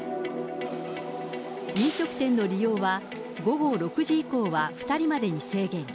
飲食店の利用は午後６時以降は２人までに制限。